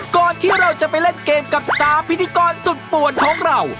ก่อนที่เราจะไปเล่นเกมกับ๓พิธีกรสุดป่วนของเรา